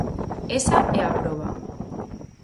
Esa é a proba.